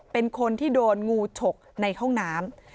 เป็นคนที่โดนงูฉกในห้องน้ำ